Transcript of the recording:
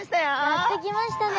やって来ましたね。